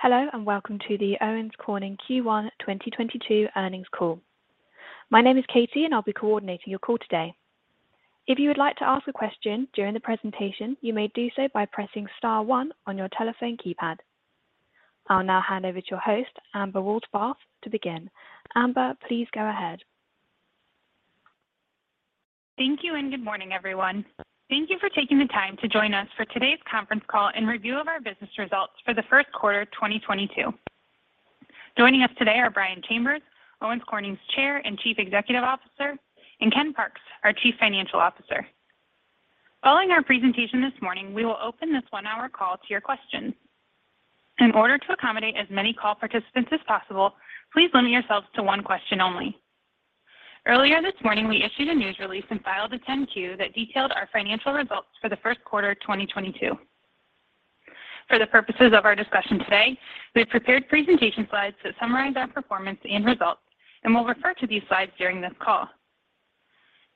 Hello, and welcome to the Owens Corning Q1 2022 earnings call. My name is Katie and I'll be coordinating your call today. If you would like to ask a question during the presentation, you may do so by pressing star one on your telephone keypad. I'll now hand over to your host, Amber Wohlfarth, to begin. Amber, please go ahead. Thank you, and good morning, everyone. Thank you for taking the time to join us for today's conference call and review of our business results for the first quarter 2022. Joining us today are Brian Chambers, Owens Corning's Chair and Chief Executive Officer, and Ken Parks, our Chief Financial Officer. Following our presentation this morning, we will open this one-hour call to your questions. In order to accommodate as many call participants as possible, please limit yourselves to one question only. Earlier this morning, we issued a news release and filed a 10-Q that detailed our financial results for the first quarter 2022. For the purposes of our discussion today, we have prepared presentation slides that summarize our performance and results, and we'll refer to these slides during this call.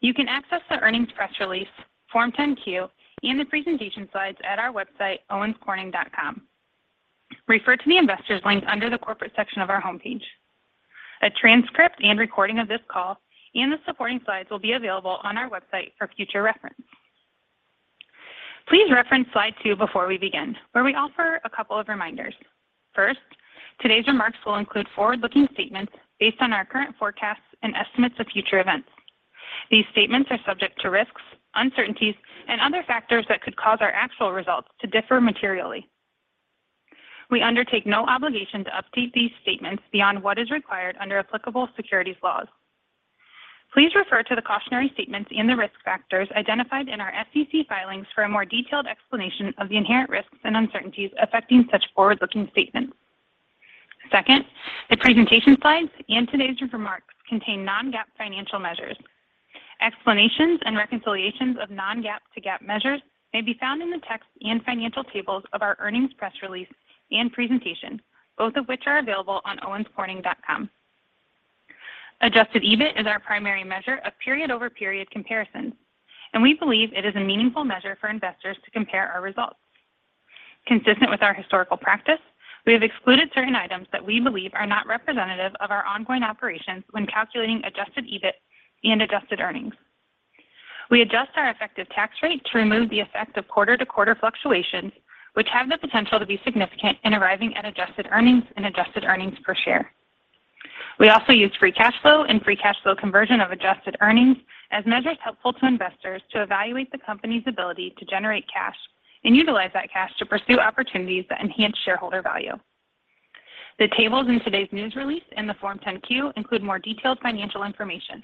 You can access the earnings press release, Form 10-Q, and the presentation slides at our website, owenscorning.com. Refer to the Investors link under the Corporate section of our homepage. A transcript and recording of this call and the supporting slides will be available on our website for future reference. Please reference slide two before we begin, where we offer a couple of reminders. First, today's remarks will include forward-looking statements based on our current forecasts and estimates of future events. These statements are subject to risks, uncertainties, and other factors that could cause our actual results to differ materially. We undertake no obligation to update these statements beyond what is required under applicable securities laws. Please refer to the cautionary statements and the risk factors identified in our SEC filings for a more detailed explanation of the inherent risks and uncertainties affecting such forward-looking statements. Second, the presentation slides and today's remarks contain non-GAAP financial measures. Explanations and reconciliations of non-GAAP to GAAP measures may be found in the text and financial tables of our earnings press release and presentation, both of which are available on owenscorning.com. Adjusted EBIT is our primary measure of period-over-period comparisons, and we believe it is a meaningful measure for investors to compare our results. Consistent with our historical practice, we have excluded certain items that we believe are not representative of our ongoing operations when calculating adjusted EBIT and adjusted earnings. We adjust our effective tax rate to remove the effect of quarter-to-quarter fluctuations, which have the potential to be significant in arriving at adjusted earnings and adjusted earnings per share. We also use free cash flow and free cash flow conversion of adjusted earnings as measures helpful to investors to evaluate the company's ability to generate cash and utilize that cash to pursue opportunities that enhance shareholder value. The tables in today's news release and the Form 10-Q include more detailed financial information.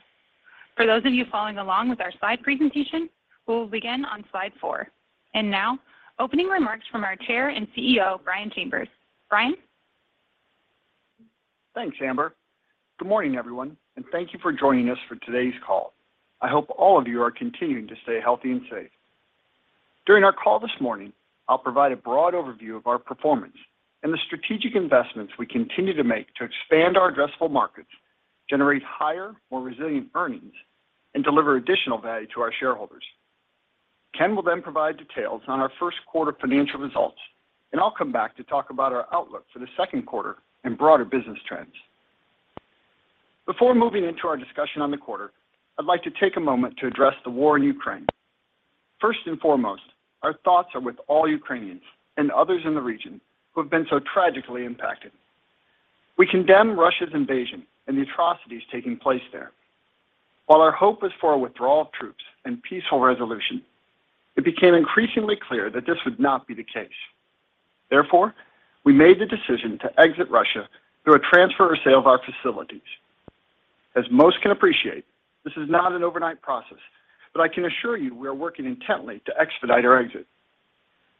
For those of you following along with our slide presentation, we will begin on slide four. Now, opening remarks from our Chair and CEO, Brian Chambers. Brian? Thanks, Amber. Good morning, everyone, and thank you for joining us for today's call. I hope all of you are continuing to stay healthy and safe. During our call this morning, I'll provide a broad overview of our performance and the strategic investments we continue to make to expand our addressable markets, generate higher, more resilient earnings, and deliver additional value to our shareholders. Ken will then provide details on our first quarter financial results, and I'll come back to talk about our outlook for the second quarter and broader business trends. Before moving into our discussion on the quarter, I'd like to take a moment to address the war in Ukraine. First and foremost, our thoughts are with all Ukrainians and others in the region who have been so tragically impacted. We condemn Russia's invasion and the atrocities taking place there. While our hope is for a withdrawal of troops and peaceful resolution, it became increasingly clear that this would not be the case. Therefore, we made the decision to exit Russia through a transfer or sale of our facilities. As most can appreciate, this is not an overnight process, but I can assure you we are working intently to expedite our exit.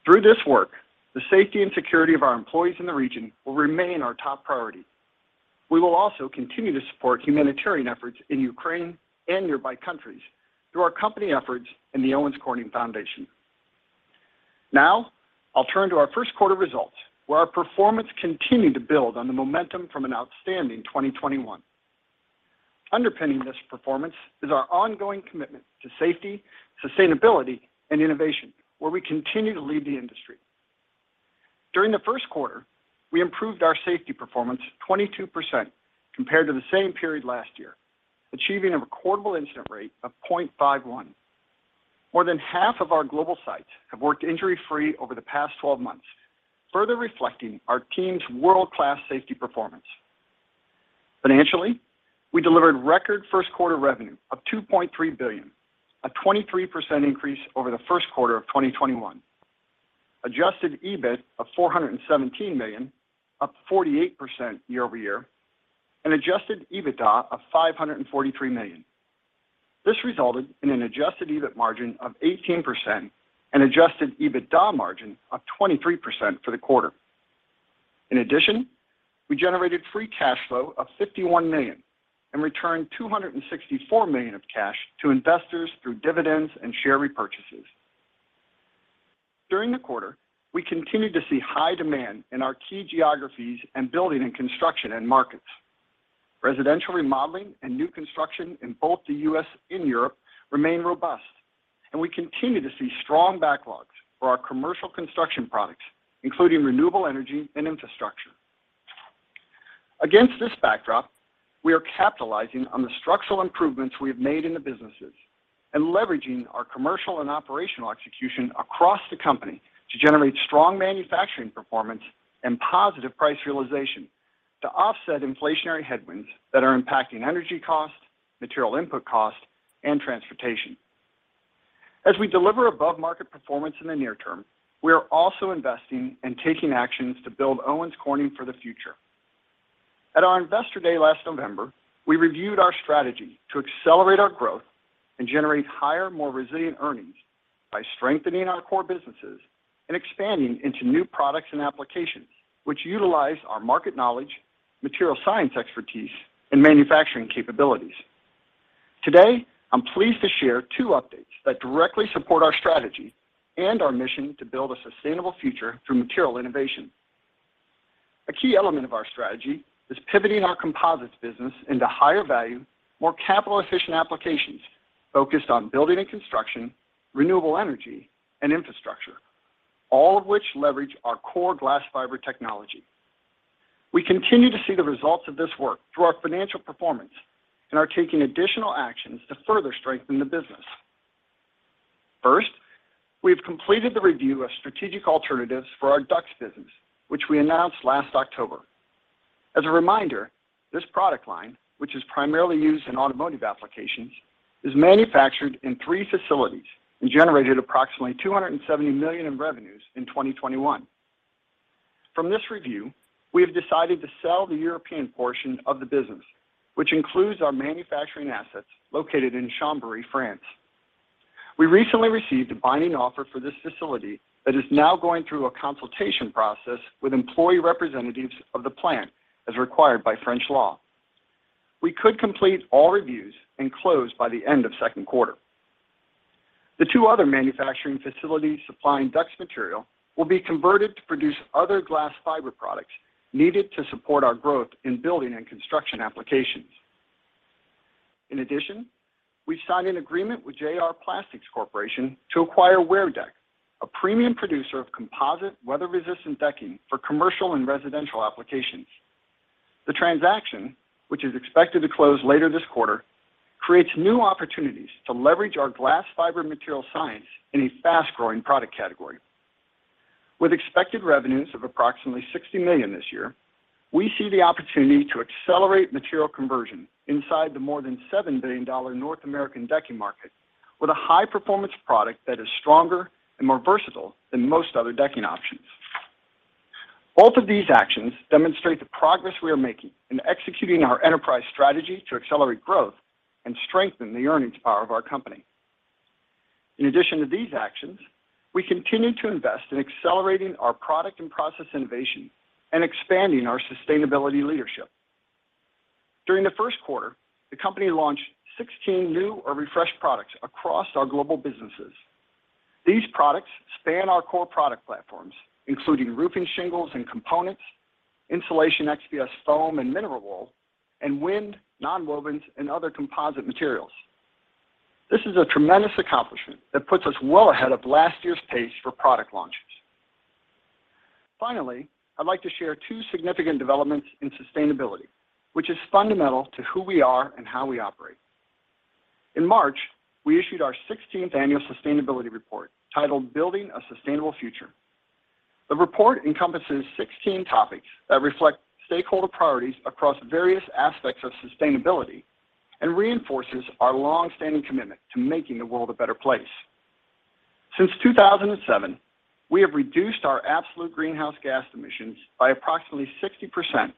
Through this work, the safety and security of our employees in the region will remain our top priority. We will also continue to support humanitarian efforts in Ukraine and nearby countries through our company efforts and the Owens Corning Foundation. Now, I'll turn to our first quarter results, where our performance continued to build on the momentum from an outstanding 2021. Underpinning this performance is our ongoing commitment to safety, sustainability, and innovation, where we continue to lead the industry. During the first quarter, we improved our safety performance 22% compared to the same period last year, achieving a recordable incident rate of 0.51. More than 1/2 of our global sites have worked injury-free over the past 12 months, further reflecting our team's world-class safety performance. Financially, we delivered record first quarter revenue of $2.3 billion, a 23% increase over the first quarter of 2021. Adjusted EBIT of $417 million, up 48% year-over-year, and adjusted EBITDA of $543 million. This resulted in an adjusted EBIT margin of 18% and adjusted EBITDA margin of 23% for the quarter. In addition, we generated free cash flow of $51 million and returned $264 million of cash to investors through dividends and share repurchases. During the quarter, we continued to see high demand in our key geographies and building and construction end markets. Residential remodeling and new construction in both the U.S. and Europe remain robust, and we continue to see strong backlogs for our commercial construction products, including renewable energy and infrastructure. Against this backdrop, we are capitalizing on the structural improvements we have made in the businesses and leveraging our commercial and operational execution across the company to generate strong manufacturing performance and positive price realization to offset inflationary headwinds that are impacting energy costs, material input costs, and transportation. As we deliver above-market performance in the near term, we are also investing and taking actions to build Owens Corning for the future. At our Investor Day last November, we reviewed our strategy to accelerate our growth and generate higher, more resilient earnings by strengthening our core businesses and expanding into new products and applications which utilize our market knowledge, material science expertise, and manufacturing capabilities. Today, I'm pleased to share two updates that directly support our strategy and our mission to build a sustainable future through material innovation. A key element of our strategy is pivoting our Composites business into higher-value, more capital-efficient applications focused on building and construction, renewable energy, and infrastructure, all of which leverage our core glass fiber technology. We continue to see the results of this work through our financial performance and are taking additional actions to further strengthen the business. First, we have completed the review of strategic alternatives for our DUCS business, which we announced last October. As a reminder, this product line, which is primarily used in automotive applications, is manufactured in three facilities and generated approximately $270 million in revenues in 2021. From this review, we have decided to sell the European portion of the business, which includes our manufacturing assets located in Chambéry, France. We recently received a binding offer for this facility that is now going through a consultation process with employee representatives of the plant, as required by French law. We could complete all reviews and close by the end of second quarter. The two other manufacturing facilities supplying DUCS material will be converted to produce other glass fiber products needed to support our growth in building and construction applications. In addition, we signed an agreement with JR Plastics Corporation to acquire WearDeck, a premium producer of composite weather-resistant decking for commercial and residential applications. The transaction, which is expected to close later this quarter, creates new opportunities to leverage our glass fiber material science in a fast-growing product category. With expected revenues of approximately $60 million this year, we see the opportunity to accelerate material conversion inside the more than $7 billion North American decking market with a high-performance product that is stronger and more versatile than most other decking options. Both of these actions demonstrate the progress we are making in executing our enterprise strategy to accelerate growth and strengthen the earnings power of our company. In addition to these actions, we continue to invest in accelerating our product and process innovation and expanding our sustainability leadership. During the first quarter, the company launched 16 new or refreshed products across our global businesses. These products span our core product platforms, including roofing shingles and components, insulation, XPS foam, and mineral wool, and wind, nonwovens, and other composite materials. This is a tremendous accomplishment that puts us well ahead of last year's pace for product launches. Finally, I'd like to share two significant developments in sustainability, which is fundamental to who we are and how we operate. In March, we issued our 16th Annual Sustainability Report titled Building a Sustainable Future. The report encompasses 16 topics that reflect stakeholder priorities across various aspects of sustainability and reinforces our long-standing commitment to making the world a better place. Since 2007, we have reduced our absolute greenhouse gas emissions by approximately 60%,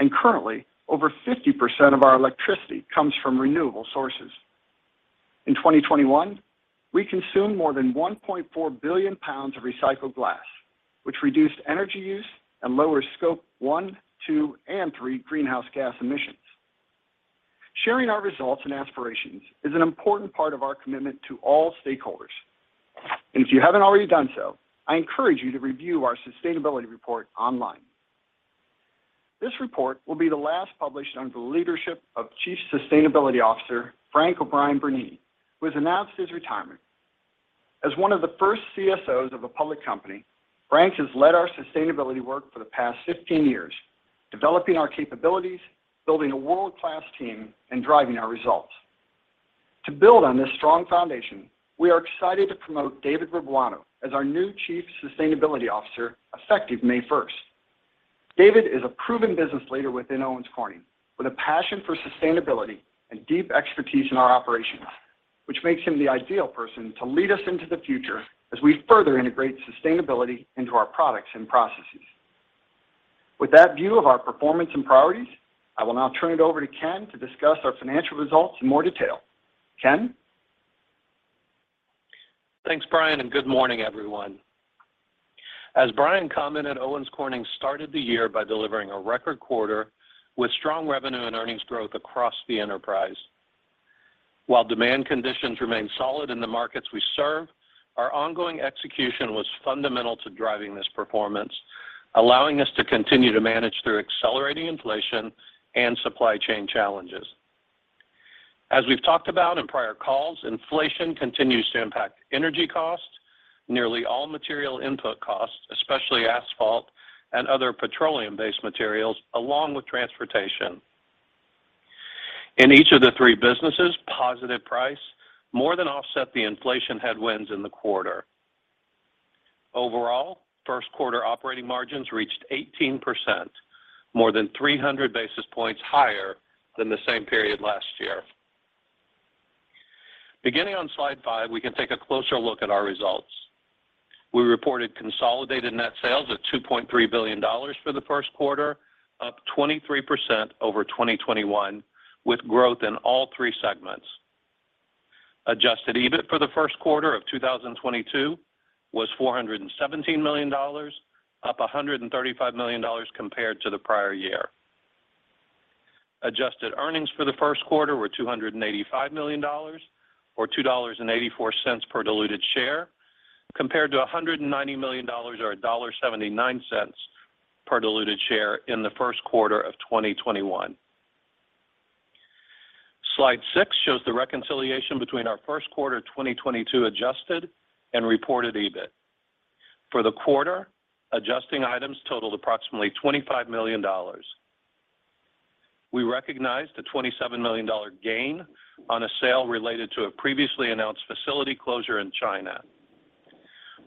and currently, over 50% of our electricity comes from renewable sources. In 2021, we consumed more than 1.4 billion pounds of recycled glass, which reduced energy use and lower Scope 1, 2, and 3 greenhouse gas emissions. Sharing our results and aspirations is an important part of our commitment to all stakeholders. If you haven't already done so, I encourage you to review our sustainability report online. This report will be the last published under the leadership of Chief Sustainability Officer Frank O'Brien-Bernini, who has announced his retirement. As one of the first CSOs of a public company, Frank has led our sustainability work for the past 15 years, developing our capabilities, building a world-class team, and driving our results. To build on this strong foundation, we are excited to promote David Rabuano as our new chief sustainability officer, effective May 1st. David is a proven business leader within Owens Corning with a passion for sustainability and deep expertise in our operations, which makes him the ideal person to lead us into the future as we further integrate sustainability into our products and processes. With that view of our performance and priorities, I will now turn it over to Ken to discuss our financial results in more detail. Ken? Thanks, Brian, and good morning, everyone. As Brian commented, Owens Corning started the year by delivering a record quarter with strong revenue and earnings growth across the enterprise. While demand conditions remain solid in the markets we serve, our ongoing execution was fundamental to driving this performance, allowing us to continue to manage through accelerating inflation and supply chain challenges. As we've talked about in prior calls, inflation continues to impact energy costs, nearly all material input costs, especially asphalt and other petroleum-based materials, along with transportation. In each of the three businesses, positive price more than offset the inflation headwinds in the quarter. Overall, first quarter operating margins reached 18%, more than 300 basis points higher than the same period last year. Beginning on slide five, we can take a closer look at our results. We reported consolidated net sales of $2.3 billion for the first quarter, up 23% over 2021, with growth in all three segments. Adjusted EBIT for the first quarter of 2022 was $417 million, up $135 million compared to the prior year. Adjusted earnings for the first quarter were $285 million or $2.84 per diluted share, compared to $190 million or $1.79 per diluted share in the first quarter of 2021. Slide six shows the reconciliation between our first quarter 2022 adjusted and reported EBIT. For the quarter, adjusting items totaled approximately $25 million. We recognized a $27 million gain on a sale related to a previously announced facility closure in China.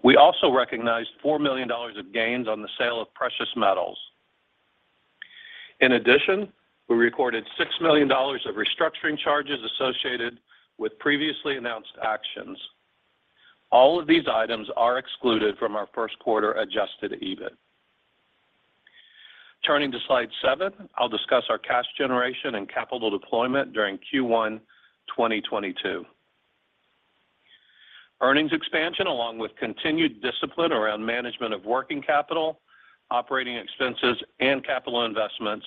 We also recognized $4 million of gains on the sale of precious metals. In addition, we recorded $6 million of restructuring charges associated with previously announced actions. All of these items are excluded from our first quarter adjusted EBIT. Turning to slide seven, I'll discuss our cash generation and capital deployment during Q1 2022. Earnings expansion, along with continued discipline around management of working capital, operating expenses, and capital investments,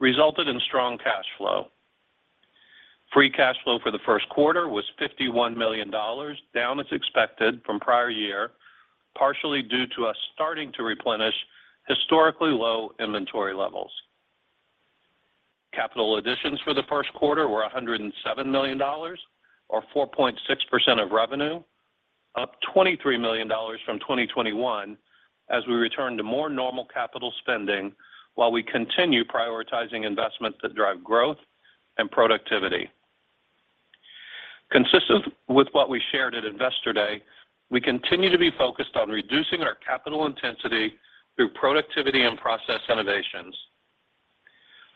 resulted in strong cash flow. Free cash flow for the first quarter was $51 million, down as expected from prior year, partially due to us starting to replenish historically low inventory levels. Capital additions for the first quarter were $107 million or 4.6% of revenue, up $23 million from 2021 as we return to more normal capital spending while we continue prioritizing investments that drive growth and productivity. Consistent with what we shared at Investor Day, we continue to be focused on reducing our capital intensity through productivity and process innovations.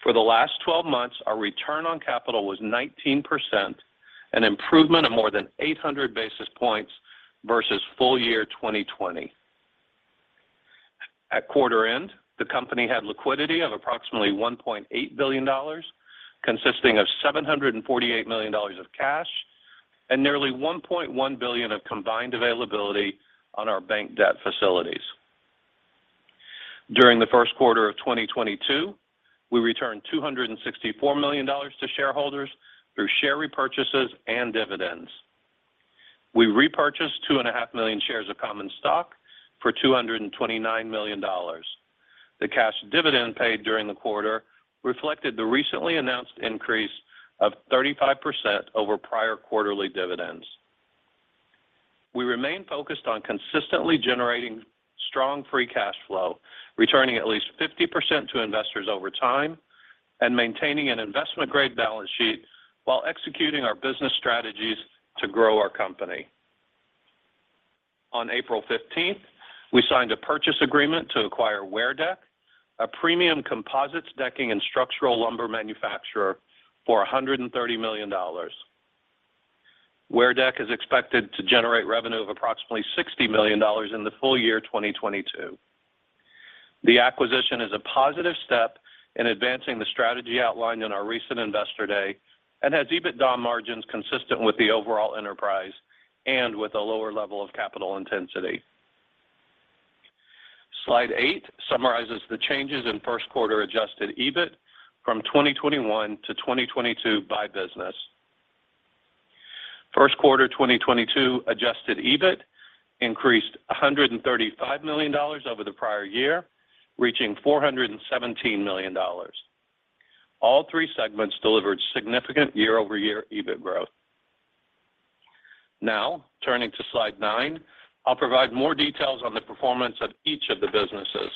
For the last 12 months, our return on capital was 19%, an improvement of more than 800 basis points versus full year 2020. At quarter end, the company had liquidity of approximately $1.8 billion, consisting of $748 million of cash and nearly $1.1 billion of combined availability on our bank debt facilities. During the first quarter of 2022, we returned $264 million to shareholders through share repurchases and dividends. We repurchased 2.5 million shares of common stock for $229 million. The cash dividend paid during the quarter reflected the recently announced increase of 35% over prior quarterly dividends. We remain focused on consistently generating strong free cash flow, returning at least 50% to investors over time and maintaining an investment-grade balance sheet while executing our business strategies to grow our company. On April 15th, we signed a purchase agreement to acquire WearDeck, a premium composites decking and structural lumber manufacturer, for $130 million. WearDeck is expected to generate revenue of approximately $60 million in the full year 2022. The acquisition is a positive step in advancing the strategy outlined in our recent Investor Day and has EBITDA margins consistent with the overall enterprise and with a lower level of capital intensity. Slide eight summarizes the changes in first quarter adjusted EBIT from 2021 to 2022 by business. First quarter 2022 adjusted EBIT increased $135 million over the prior year, reaching $417 million. All three segments delivered significant year-over-year EBIT growth. Now, turning to slide nine, I'll provide more details on the performance of each of the businesses.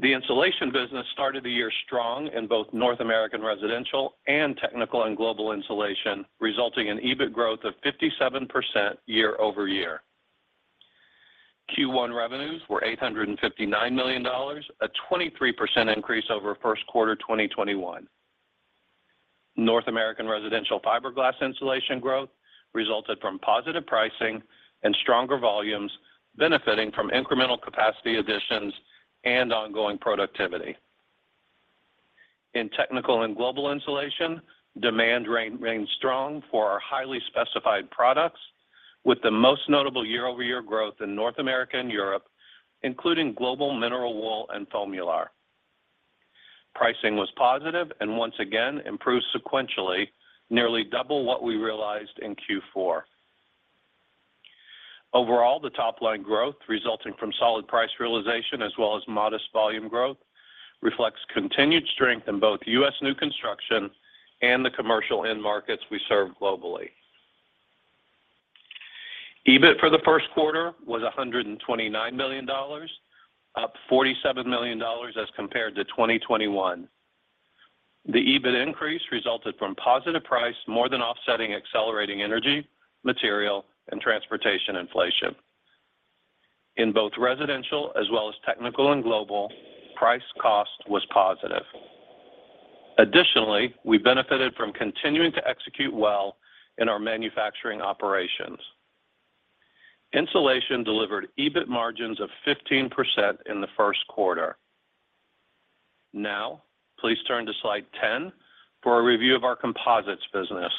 The Insulation business started the year strong in both North American residential and technical and global insulation, resulting in EBIT growth of 57% year-over-year. Q1 revenues were $859 million, a 23% increase over first quarter 2021. North American residential fiberglass insulation growth resulted from positive pricing and stronger volumes benefiting from incremental capacity additions and ongoing productivity. In technical and global insulation, demand remains strong for our highly specified products. With the most notable year-over-year growth in North America and Europe, including global mineral wool and FOAMULAR. Pricing was positive and once again improved sequentially, nearly double what we realized in Q4. Overall, the top line growth resulting from solid price realization as well as modest volume growth reflects continued strength in both U.S. new construction and the commercial end markets we serve globally. EBIT for the first quarter was $129 million, up $47 million as compared to 2021. The EBIT increase resulted from positive price more than offsetting accelerating energy, material, and transportation inflation. In both residential as well as technical and global, price cost was positive. Additionally, we benefited from continuing to execute well in our manufacturing operations. Insulation delivered EBIT margins of 15% in the first quarter. Now, please turn to slide 10 for a review of our Composites business.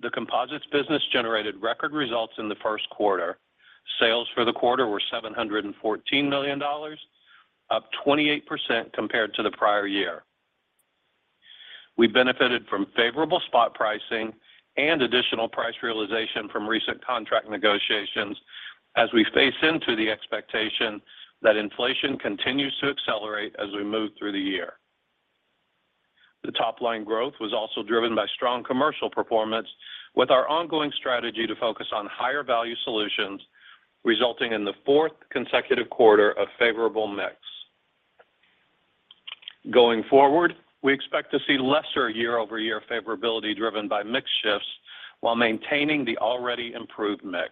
The Composites business generated record results in the first quarter. Sales for the quarter were $714 million, up 28% compared to the prior year. We benefited from favorable spot pricing and additional price realization from recent contract negotiations as we face into the expectation that inflation continues to accelerate as we move through the year. The top line growth was also driven by strong commercial performance with our ongoing strategy to focus on higher value solutions, resulting in the fourth consecutive quarter of favorable mix. Going forward, we expect to see lesser year-over-year favorability driven by mix shifts while maintaining the already improved mix.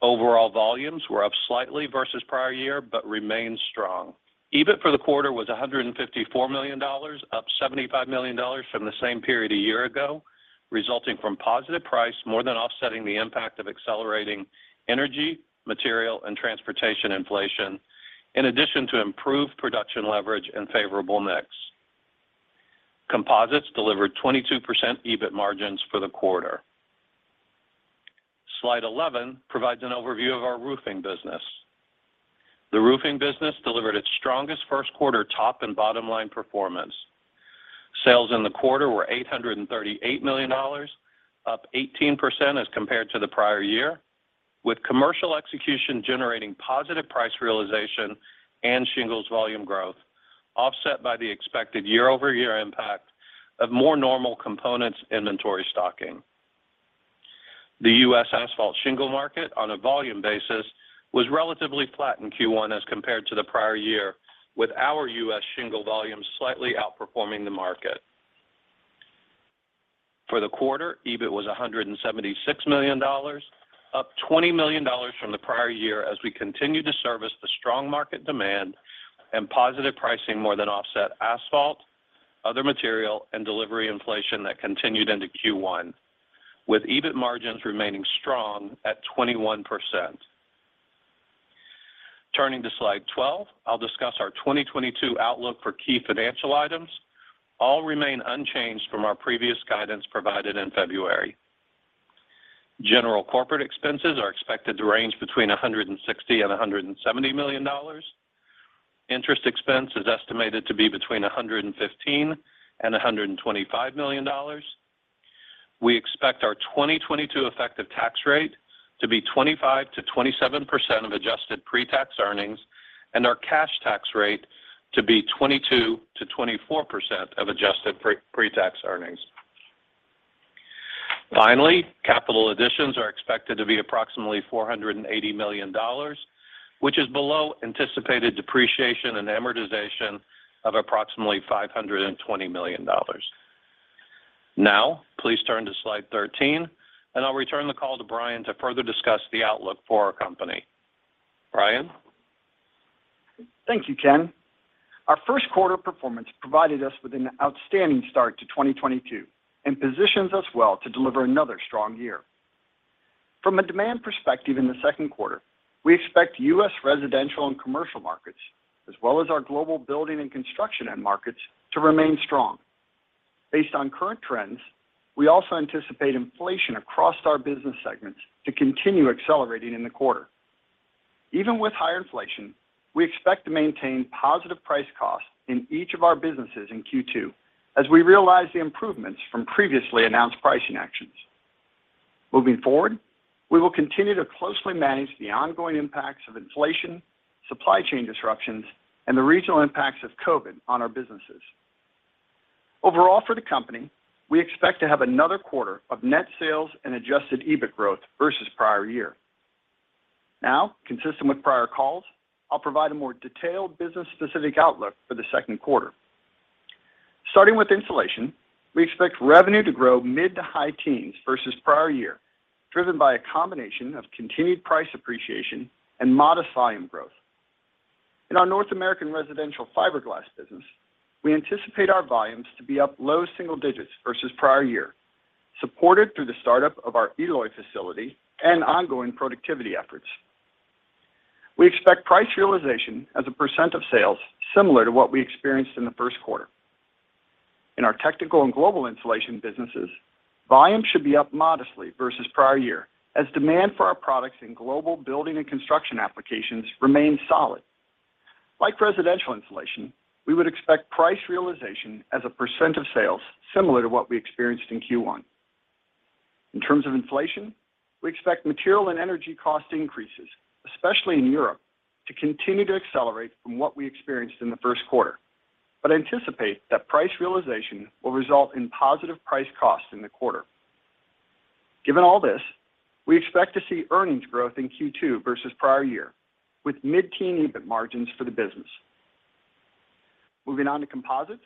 Overall volumes were up slightly versus prior year but remain strong. EBIT for the quarter was $154 million, up $75 million from the same period a year ago, resulting from positive price more than offsetting the impact of accelerating energy, material, and transportation inflation, in addition to improved production leverage and favorable mix. Composites delivered 22% EBIT margins for the quarter. Slide 11 provides an overview of our Roofing business. The Roofing business delivered its strongest first quarter top and bottom line performance. Sales in the quarter were $838 million, up 18% as compared to the prior year, with commercial execution generating positive price realization and shingles volume growth, offset by the expected year-over-year impact of more normal components inventory stocking. The U.S. asphalt shingle market on a volume basis was relatively flat in Q1 as compared to the prior year, with our U.S. shingle volume slightly outperforming the market. For the quarter, EBIT was $176 million, up $20 million from the prior year as we continue to service the strong market demand and positive pricing more than offset asphalt, other material, and delivery inflation that continued into Q1, with EBIT margins remaining strong at 21%. Turning to slide 12, I'll discuss our 2022 outlook for key financial items. All remain unchanged from our previous guidance provided in February. General corporate expenses are expected to range between $160 million and $170 million. Interest expense is estimated to be between $115 million and $125 million. We expect our 2022 effective tax rate to be 25%-27% of adjusted pre-tax earnings and our cash tax rate to be 22%-24% of adjusted pre-tax earnings. Finally, capital additions are expected to be approximately $480 million, which is below anticipated depreciation and amortization of approximately $520 million. Now, please turn to slide 13, and I'll return the call to Brian to further discuss the outlook for our company. Brian? Thank you, Ken. Our first quarter performance provided us with an outstanding start to 2022 and positions us well to deliver another strong year. From a demand perspective in the second quarter, we expect U.S. residential and commercial markets, as well as our global building and construction end markets, to remain strong. Based on current trends, we also anticipate inflation across our business segments to continue accelerating in the quarter. Even with higher inflation, we expect to maintain positive price cost in each of our businesses in Q2 as we realize the improvements from previously announced pricing actions. Moving forward, we will continue to closely manage the ongoing impacts of inflation, supply chain disruptions, and the regional impacts of COVID on our businesses. Overall for the company, we expect to have another quarter of net sales and adjusted EBIT growth versus prior year. Now, consistent with prior calls, I'll provide a more detailed business specific outlook for the second quarter. Starting with insulation, we expect revenue to grow mid- to high teens versus prior year, driven by a combination of continued price appreciation and modest volume growth. In our North American residential fiberglass business, we anticipate our volumes to be up low single-digits% versus prior year, supported through the startup of our Eloy facility and ongoing productivity efforts. We expect price realization as a percent of sales similar to what we experienced in the first quarter. In our technical and global insulation businesses, volume should be up modestly versus prior year as demand for our products in global building and construction applications remains solid. Like residential insulation, we would expect price realization as a percent of sales similar to what we experienced in Q1. In terms of inflation, we expect material and energy cost increases, especially in Europe, to continue to accelerate from what we experienced in the first quarter, but anticipate that price realization will result in positive price-cost in the quarter. Given all this, we expect to see earnings growth in Q2 versus prior year, with mid-teen EBIT margins for the business. Moving on to composites.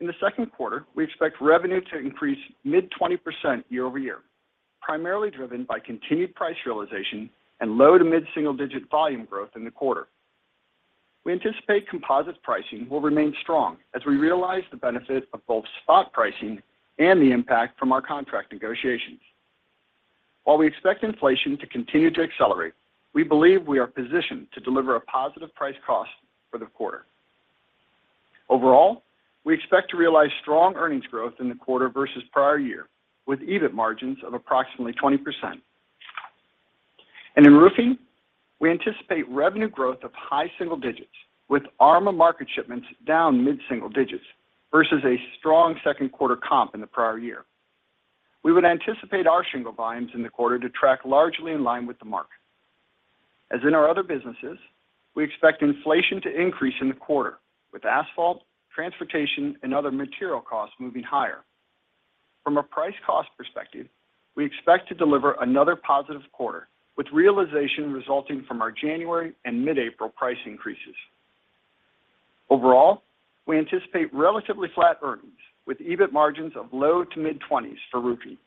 In the second quarter, we expect revenue to increase mid-20% year-over-year, primarily driven by continued price realization and low- to mid-single-digit volume growth in the quarter. We anticipate composites pricing will remain strong as we realize the benefit of both spot pricing and the impact from our contract negotiations. While we expect inflation to continue to accelerate, we believe we are positioned to deliver a positive price-cost for the quarter. Overall, we expect to realize strong earnings growth in the quarter versus prior year, with EBIT margins of approximately 20%. In Roofing, we anticipate revenue growth of high single digits with ARMA market shipments down mid-single digits versus a strong second quarter comp in the prior year. We would anticipate our shingle volumes in the quarter to track largely in line with the market. As in our other businesses, we expect inflation to increase in the quarter with asphalt, transportation, and other material costs moving higher. From a price cost perspective, we expect to deliver another positive quarter with realization resulting from our January and mid-April price increases. Overall, we anticipate relatively flat earnings with EBIT margins of low to mid-20s for Roofing.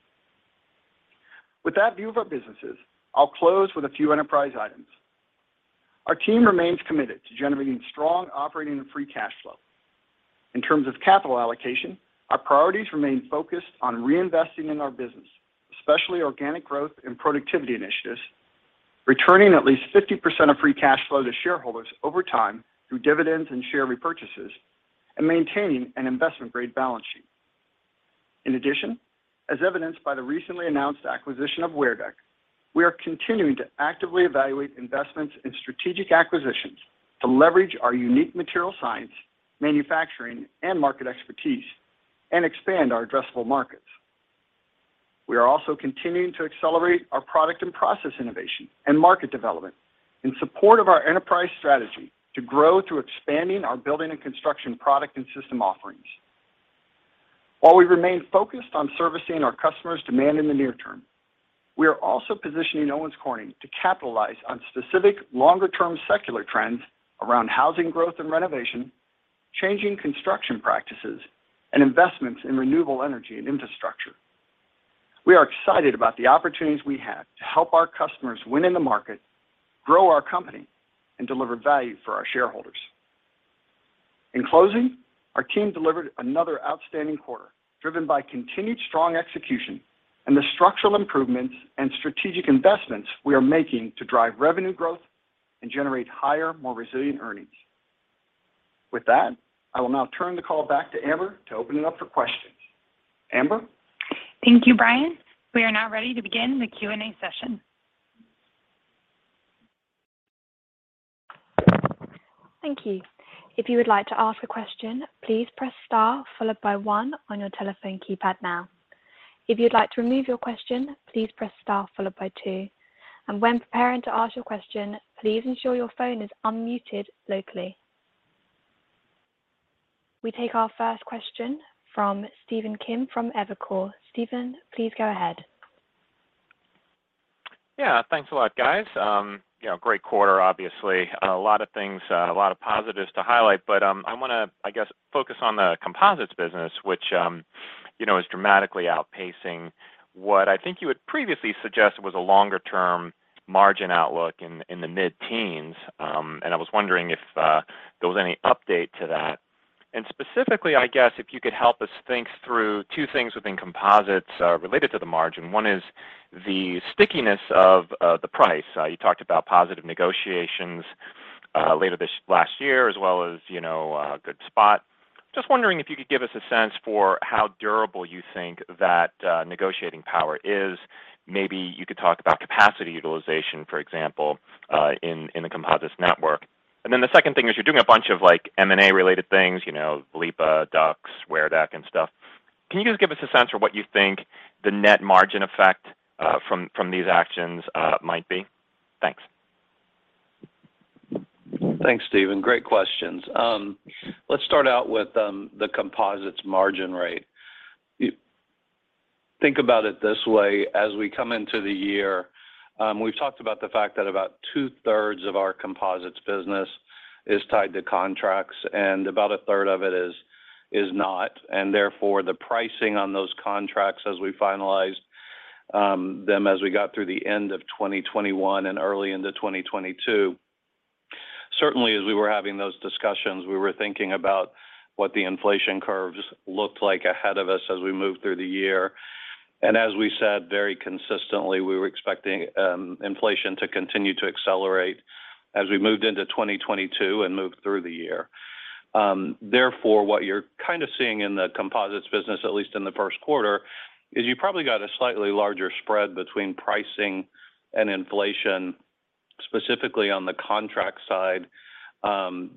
With that view of our businesses, I'll close with a few enterprise items. Our team remains committed to generating strong operating and free cash flow. In terms of capital allocation, our priorities remain focused on reinvesting in our business, especially organic growth and productivity initiatives, returning at least 50% of free cash flow to shareholders over time through dividends and share repurchases, and maintaining an investment-grade balance sheet. In addition, as evidenced by the recently announced acquisition of WearDeck, we are continuing to actively evaluate investments in strategic acquisitions to leverage our unique material science, manufacturing, and market expertise and expand our addressable markets. We are also continuing to accelerate our product and process innovation and market development in support of our enterprise strategy to grow through expanding our building and construction product and system offerings. While we remain focused on servicing our customers' demand in the near term, we are also positioning Owens Corning to capitalize on specific longer-term secular trends around housing growth and renovation, changing construction practices, and investments in renewable energy and infrastructure. We are excited about the opportunities we have to help our customers win in the market, grow our company, and deliver value for our shareholders. In closing, our team delivered another outstanding quarter, driven by continued strong execution and the structural improvements and strategic investments we are making to drive revenue growth and generate higher, more resilient earnings. With that, I will now turn the call back to Amber to open it up for questions. Amber? Thank you, Brian. We are now ready to begin the Q&A session. Thank you. If you would like to ask a question, please press star followed by one on your telephone keypad now. If you'd like to remove your question, please press star followed by two. When preparing to ask your question, please ensure your phone is unmuted locally. We take our first question from Stephen Kim from Evercore ISI. Stephen, please go ahead. Yeah, thanks a lot, guys. You know, great quarter, obviously. A lot of things, a lot of positives to highlight, but I wanna, I guess, focus on the Composites business, which, you know, is dramatically outpacing what I think you had previously suggested was a longer-term margin outlook in the mid-teens. I was wondering if there was any update to that. Specifically, I guess, if you could help us think through two things within composites, related to the margin. One is the stickiness of the price. You talked about positive negotiations later this last year, as well as, you know, a good spot. Just wondering if you could give us a sense for how durable you think that negotiating power is. Maybe you could talk about capacity utilization, for example, in the composites network. Then the second thing is you're doing a bunch of like M&A related things, you know, vliepa, DUCS, WearDeck and stuff. Can you just give us a sense for what you think the net margin effect from these actions might be? Thanks. Thanks, Stephen. Great questions. Let's start out with the Composites margin rate. You think about it this way, as we come into the year, we've talked about the fact that about 2/3 of our Composites business is tied to contracts and about 1/3 of it is not. Therefore, the pricing on those contracts as we finalized them as we got through the end of 2021 and early into 2022. Certainly as we were having those discussions, we were thinking about what the inflation curves looked like ahead of us as we moved through the year. As we said very consistently, we were expecting inflation to continue to accelerate as we moved into 2022 and moved through the year. Therefore, what you're kind of seeing in the Composites business, at least in the first quarter, is you probably got a slightly larger spread between pricing and inflation, specifically on the contract side,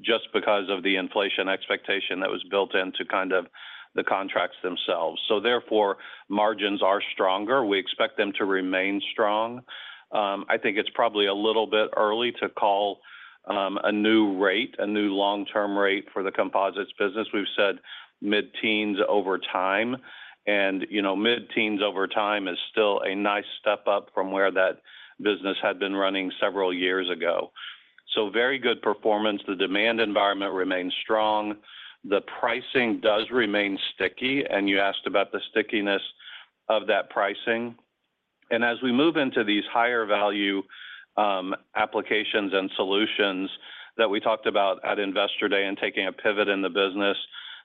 just because of the inflation expectation that was built into kind of the contracts themselves. Therefore, margins are stronger. We expect them to remain strong. I think it's probably a little bit early to call a new rate, a new long-term rate for the Composites business. We've said mid-teens over time. You know, mid-teens over time is still a nice step up from where that business had been running several years ago. Very good performance. The demand environment remains strong. The pricing does remain sticky, and you asked about the stickiness of that pricing. As we move into these higher value applications and solutions that we talked about at Investor Day and taking a pivot in the business,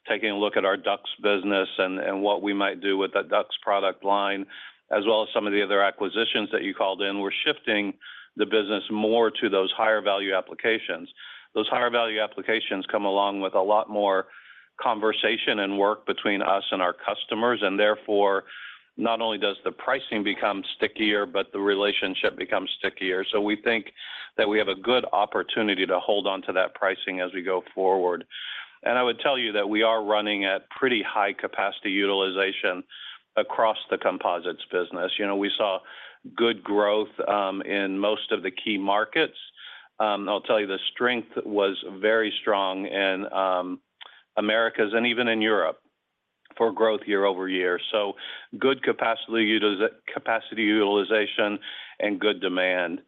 taking a look at our DUCS business and what we might do with that DUCS product line, as well as some of the other acquisitions that you called in, we're shifting the business more to those higher value applications. Those higher value applications come along with a lot more conversation and work between us and our customers. Therefore, not only does the pricing become stickier, but the relationship becomes stickier. We think that we have a good opportunity to hold on to that pricing as we go forward. I would tell you that we are running at pretty high capacity utilization across the Composites business. You know, we saw good growth in most of the key markets. I'll tell you, the strength was very strong in Americas and even in Europe for growth year-over-year. Good capacity utilization and good demand.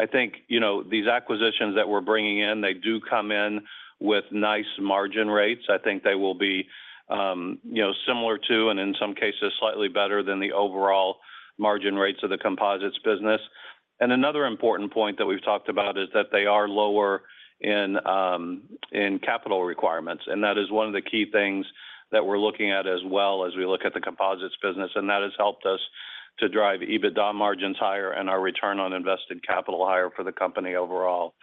I think, you know, these acquisitions that we're bringing in, they do come in with nice margin rates. I think they will be, you know, similar to, and in some cases, slightly better than the overall margin rates of the Composites business. Another important point that we've talked about is that they are lower in capital requirements. That is one of the key things that we're looking at as well as we look at the Composites business, and that has helped us to drive EBITDA margins higher and our return on invested capital higher for the company overall.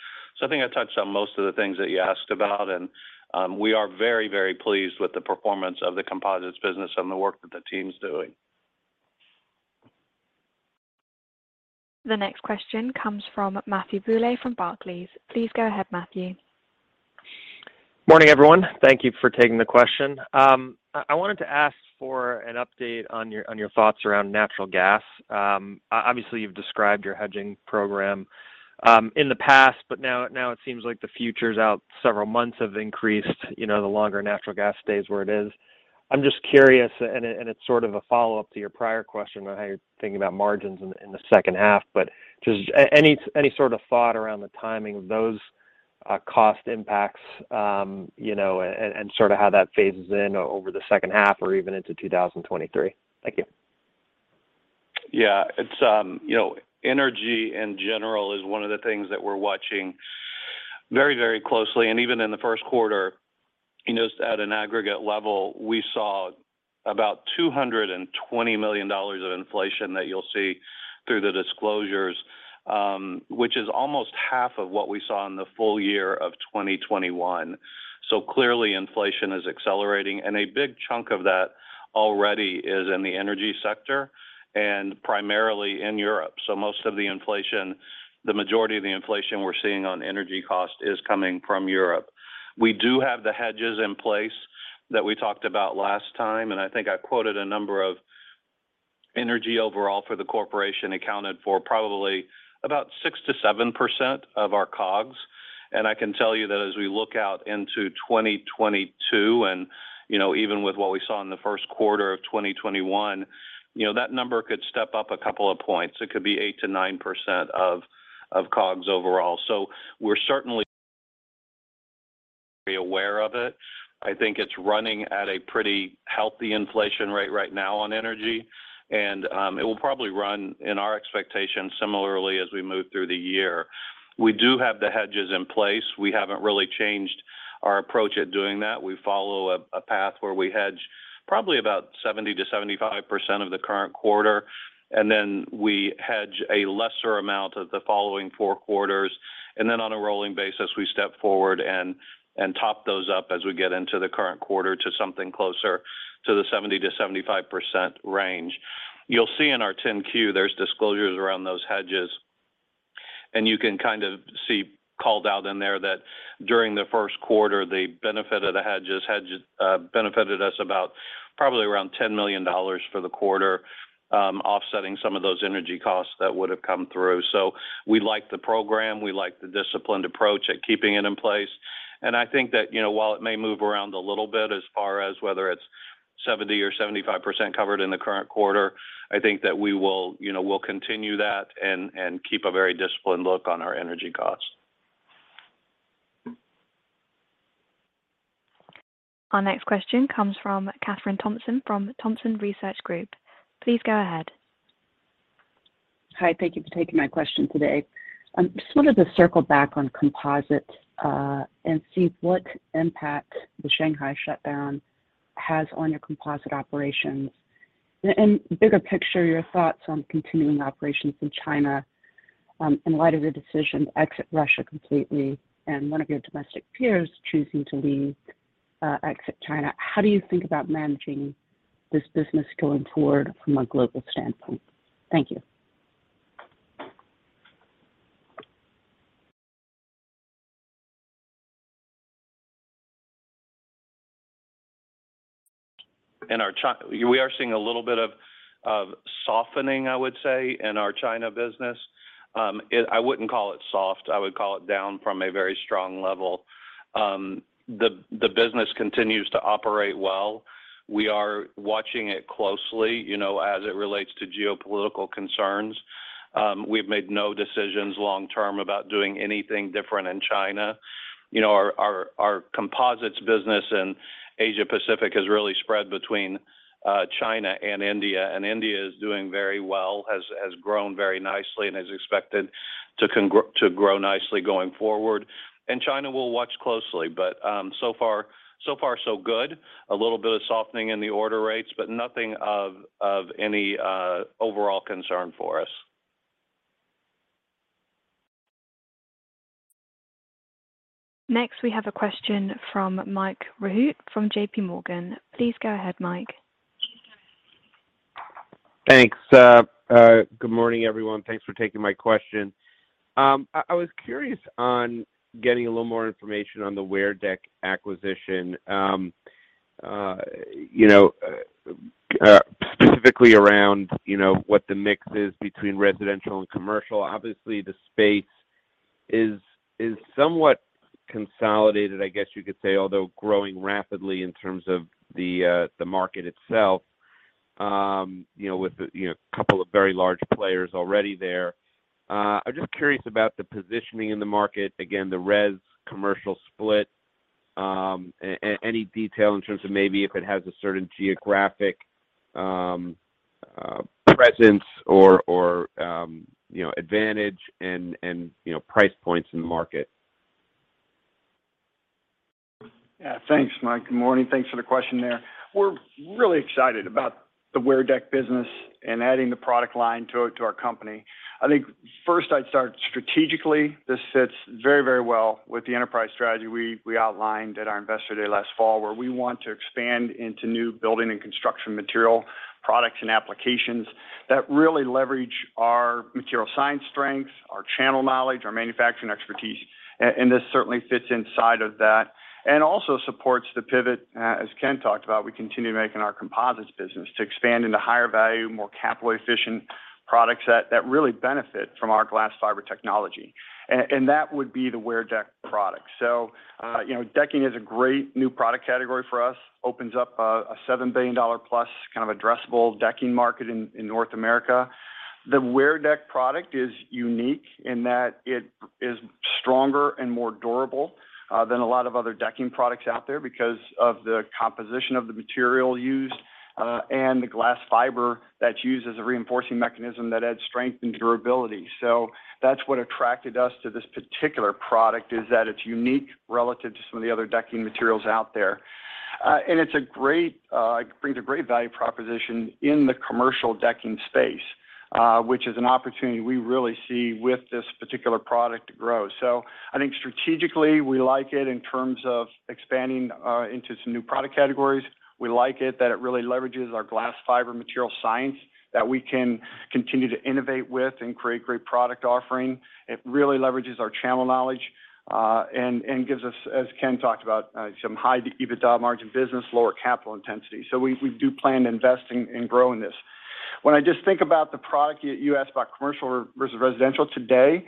I think I touched on most of the things that you asked about, and we are very, very pleased with the performance of the Composites business and the work that the team's doing. The next question comes from Matthew Bouley from Barclays. Please go ahead, Matthew. Morning, everyone. Thank you for taking the question. I wanted to ask for an update on your thoughts around natural gas. Obviously, you've described your hedging program in the past, but now it seems like the futures out several months have increased, you know, the longer natural gas stays where it is. I'm just curious, and it's sort of a follow-up to your prior question on how you're thinking about margins in the second half. Just any sort of thought around the timing of those cost impacts, you know, and sort of how that phases in over the second half or even into 2023. Thank you. Yeah. It's, you know, energy in general is one of the things that we're watching very, very closely. Even in the first quarter, you know, just at an aggregate level, we saw about $220 million of inflation that you'll see through the disclosures, which is almost half of what we saw in the full year of 2021. Clearly, inflation is accelerating, and a big chunk of that already is in the energy sector and primarily in Europe. Most of the inflation, the majority of the inflation we're seeing on energy cost is coming from Europe. We do have the hedges in place that we talked about last time, and I think I quoted a number of energy overall for the corporation accounted for probably about 6%-7% of our COGS. I can tell you that as we look out into 2022 and, you know, even with what we saw in the first quarter of 2021, you know, that number could step up a couple of points. It could be 8%-9% of COGS overall. We're certainly aware of it. I think it's running at a pretty healthy inflation rate right now on energy. It will probably run in our expectations similarly as we move through the year. We do have the hedges in place. We haven't really changed our approach at doing that. We follow a path where we hedge probably about 70%-75% of the current quarter, and then we hedge a lesser amount of the following four quarters. Then on a rolling basis, we step forward and top those up as we get into the current quarter to something closer to the 70%-75% range. You'll see in our 10-Q there's disclosures around those hedges. You can kind of see called out in there that during the first quarter, the benefit of the hedges benefited us about probably around $10 million for the quarter, offsetting some of those energy costs that would have come through. We like the program. We like the disciplined approach at keeping it in place. I think that, you know, while it may move around a little bit as far as whether it's 70% or 75% covered in the current quarter, I think that we will, you know, we'll continue that and keep a very disciplined look on our energy costs. Our next question comes from Kathryn Thompson from Thompson Research Group. Please go ahead. Hi. Thank you for taking my question today. Just wanted to circle back on composite, and see what impact the Shanghai shutdown has on your composite operations. Bigger picture, your thoughts on continuing operations in China, in light of your decision to exit Russia completely and one of your domestic peers choosing to exit China. How do you think about managing this business going forward from a global standpoint? Thank you. In our China business, we are seeing a little bit of softening, I would say. I wouldn't call it soft, I would call it down from a very strong level. The business continues to operate well. We are watching it closely, you know, as it relates to geopolitical concerns. We've made no decisions long term about doing anything different in China. You know, our Composites business in Asia Pacific is really spread between China and India. India is doing very well, has grown very nicely and is expected to grow nicely going forward. China will watch closely, but so far, so good. A little bit of softening in the order rates, but nothing of any overall concern for us. Next, we have a question from Mike Rehaut from JPMorgan. Please go ahead, Mike. Thanks. Good morning, everyone. Thanks for taking my question. I was curious on getting a little more information on the WearDeck acquisition. You know, specifically around, you know, what the mix is between residential and commercial. Obviously, the space is somewhat consolidated, I guess you could say, although growing rapidly in terms of the market itself, you know, with a couple of very large players already there. I'm just curious about the positioning in the market, again, the res commercial split, any detail in terms of maybe if it has a certain geographic presence or you know, advantage and you know, price points in the market. Yeah. Thanks, Mike. Good morning. Thanks for the question there. We're really excited about the WearDeck business and adding the product line to our company. I think first I'd start strategically. This fits very, very well with the enterprise strategy we outlined at our investor day last fall, where we want to expand into new building and construction material products and applications that really leverage our material science strengths, our channel knowledge, our manufacturing expertise. This certainly fits inside of that. Also supports the pivot, as Ken talked about. We continue making our Composites business to expand into higher value, more capital efficient products that really benefit from our glass fiber technology. That would be the WearDeck product. You know, decking is a great new product category for us. Opens up a $7 billion+ kind of addressable decking market in North America. The WearDeck product is unique in that it is stronger and more durable than a lot of other decking products out there because of the composition of the material used and the glass fiber that's used as a reinforcing mechanism that adds strength and durability. That's what attracted us to this particular product, is that it's unique relative to some of the other decking materials out there. It brings a great value proposition in the commercial decking space, which is an opportunity we really see with this particular product to grow. I think strategically, we like it in terms of expanding into some new product categories. We like it that it really leverages our glass fiber material science that we can continue to innovate with and create great product offering. It really leverages our channel knowledge, and gives us, as Ken talked about, some high EBITDA margin business, lower capital intensity. We do plan to invest in growing this. When I just think about the product, you asked about commercial versus residential today,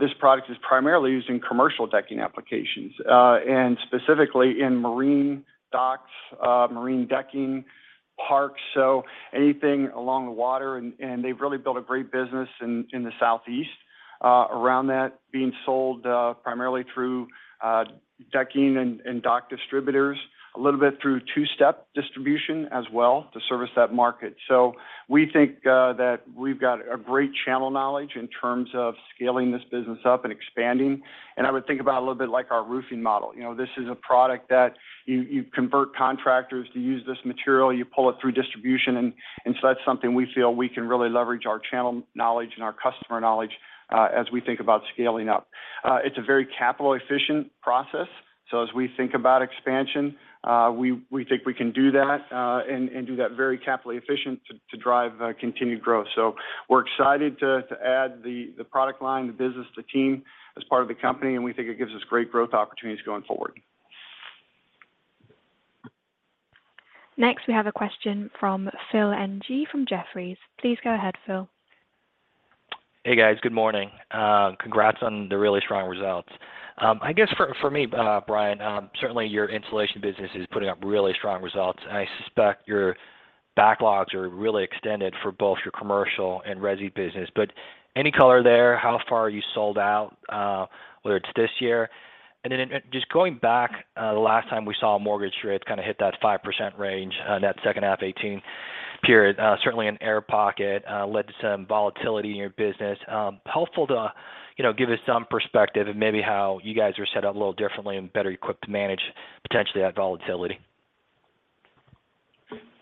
this product is primarily used in commercial decking applications, and specifically in marine docks, marine decking parks, so anything along the water, and they've really built a great business in the southeast, around that being sold, primarily through decking and dock distributors, a little bit through two-step distribution as well to service that market. We think that we've got a great channel knowledge in terms of scaling this business up and expanding. I would think about a little bit like our Roofing model. You know, this is a product that you convert contractors to use this material, you pull it through distribution, and so that's something we feel we can really leverage our channel knowledge and our customer knowledge as we think about scaling up. It's a very capital efficient process. As we think about expansion, we think we can do that and do that very capital efficient to drive continued growth. We're excited to add the product line, the business, the team as part of the company, and we think it gives us great growth opportunities going forward. Next, we have a question from Phil Ng from Jefferies. Please go ahead, Phil. Hey, guys. Good morning. Congrats on the really strong results. I guess for me, Brian, certainly your Insulation business is putting up really strong results. I suspect your backlogs are really extended for both your commercial and resi business. Any color there, how far are you sold out, whether it's this year? Just going back, the last time we saw mortgage rates kinda hit that 5% range, in that second half 2018 period, certainly an air pocket led to some volatility in your business. Helpful to give us some perspective and maybe how you guys are set up a little differently and better equipped to manage potentially that volatility.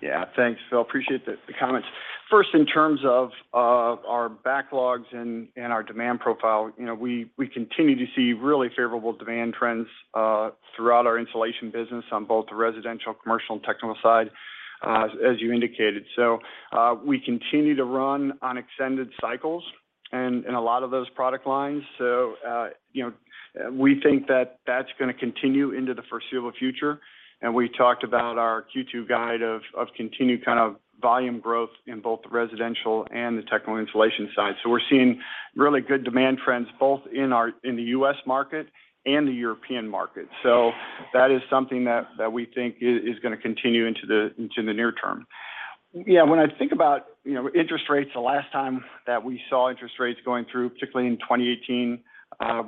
Yeah. Thanks, Phil, appreciate the comments. First, in terms of our backlogs and our demand profile, you know, we continue to see really favorable demand trends throughout our Insulation business on both the residential, commercial, and technical side, as you indicated. You know, we think that that's gonna continue into the foreseeable future. We talked about our Q2 guide of continued kind of volume growth in both the residential and the technical insulation side. We're seeing really good demand trends both in the U.S. market and the European market. That is something that we think is gonna continue into the near term. Yeah, when I think about, you know, interest rates, the last time that we saw interest rates going through, particularly in 2018,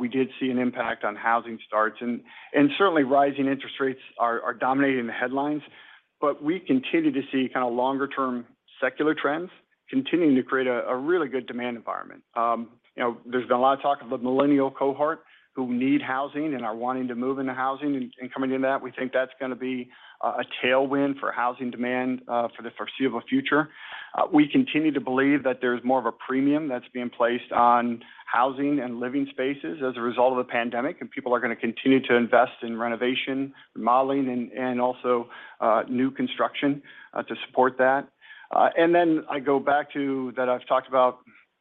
we did see an impact on housing starts. Certainly rising interest rates are dominating the headlines, but we continue to see kinda longer term secular trends continuing to create a really good demand environment. You know, there's been a lot of talk of the millennial cohort who need housing and are wanting to move into housing and coming into that. We think that's gonna be a tailwind for housing demand for the foreseeable future. We continue to believe that there's more of a premium that's being placed on housing and living spaces as a result of the pandemic, and people are gonna continue to invest in renovation, remodeling, and also new construction to support that. I go back to that I've talked about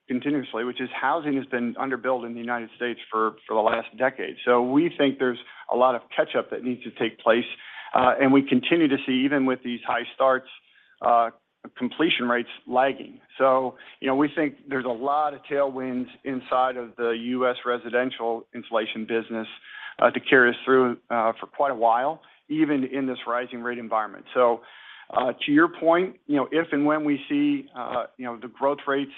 continuously, which is housing has been underbuilt in the United States for the last decade. We think there's a lot of catch-up that needs to take place, and we continue to see even with these high starts, completion rates lagging. You know, we think there's a lot of tailwinds inside of the U.S. residential insulation business to carry us through for quite a while, even in this rising rate environment. To your point, you know, if and when we see the growth rates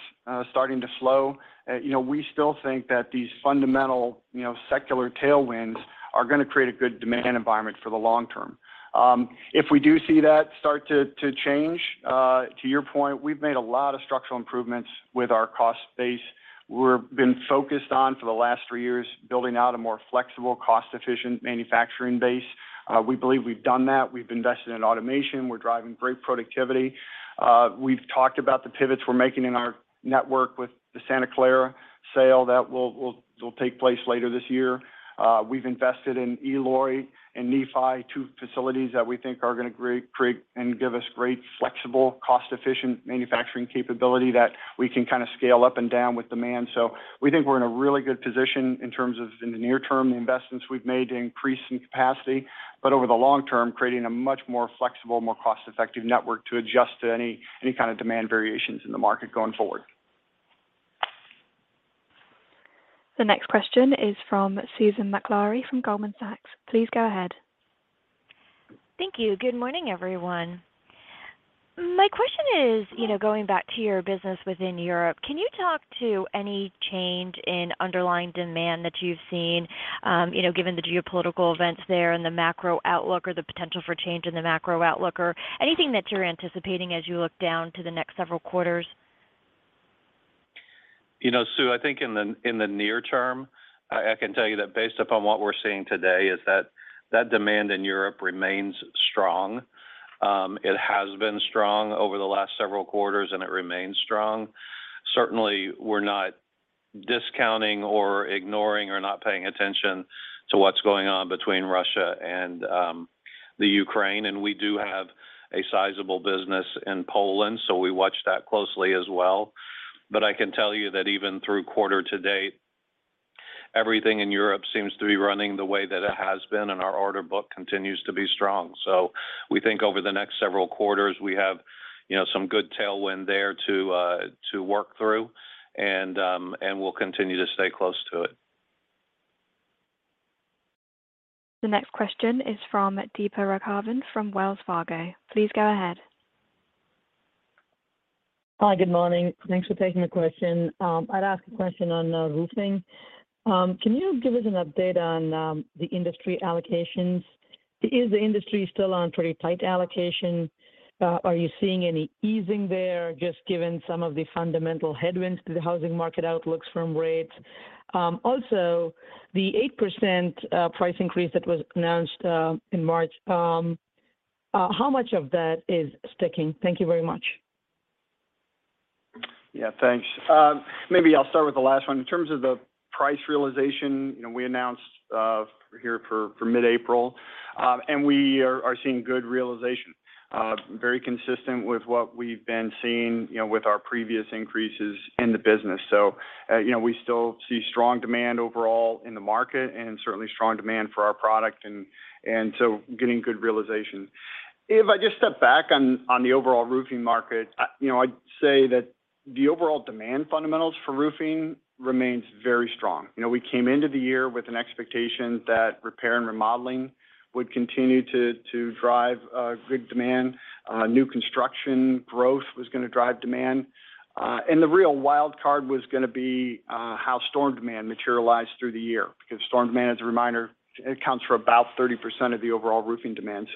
starting to slow, you know, we still think that these fundamental, you know, secular tailwinds are gonna create a good demand environment for the long term. If we do see that start to change, to your point, we've made a lot of structural improvements with our cost base. We've been focused on for the last three years building out a more flexible, cost-efficient manufacturing base. We believe we've done that. We've invested in automation. We're driving great productivity. We've talked about the pivots we're making in our network with the Santa Clara sale that will take place later this year. We've invested in Eloy and Nephi, two facilities that we think are gonna create and give us great flexible, cost-efficient manufacturing capability that we can kinda scale up and down with demand. We think we're in a really good position in terms of in the near term, the investments we've made to increase some capacity. Over the long term, creating a much more flexible, more cost-effective network to adjust to any kind of demand variations in the market going forward. The next question is from Susan Maklari from Goldman Sachs. Please go ahead. Thank you. Good morning, everyone. My question is, you know, going back to your business within Europe, can you talk to any change in underlying demand that you've seen, you know, given the geopolitical events there and the macro outlook or the potential for change in the macro outlook or anything that you're anticipating as you look down to the next several quarters? You know, Sue, I think in the near term, I can tell you that based upon what we're seeing today is that demand in Europe remains strong. It has been strong over the last several quarters, and it remains strong. Certainly we're not discounting or ignoring or not paying attention to what's going on between Russia and the Ukraine, and we do have a sizable business in Poland, so we watch that closely as well. But I can tell you that even through quarter to date, everything in Europe seems to be running the way that it has been, and our order book continues to be strong. So we think over the next several quarters, we have, you know, some good tailwind there to work through and we'll continue to stay close to it. The next question is from Deepa Raghavan from Wells Fargo. Please go ahead. Hi. Good morning. Thanks for taking the question. I'd ask a question on Roofing. Can you give us an update on the industry allocations? Is the industry still on pretty tight allocation? Are you seeing any easing there, just given some of the fundamental headwinds to the housing market outlooks from rates? Also the 8% price increase that was announced in March, how much of that is sticking? Thank you very much. Yeah, thanks. Maybe I'll start with the last one. In terms of the price realization, you know, we announced here for mid-April, and we are seeing good realization, very consistent with what we've been seeing, you know, with our previous increases in the business. So, you know, we still see strong demand overall in the market and certainly strong demand for our product and so getting good realization. If I just step back on the overall roofing market, you know, I'd say that. The overall demand fundamentals for Roofing remains very strong. You know, we came into the year with an expectation that repair and remodeling would continue to drive good demand. New construction growth was gonna drive demand. The real wild card was gonna be how storm demand materialized through the year, because storm demand, as a reminder, it accounts for about 30% of the overall roofing demand.